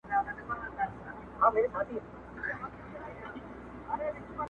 د هیلو تر مزاره مي اجل راته راغلی!